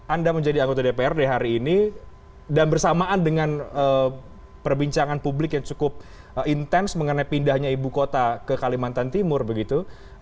anda menjadi anggota dprd hari ini dan bersamaan dengan perbincangan publik yang cukup intens mengenai pindahnya ibu kota ke kalimantan timur begitu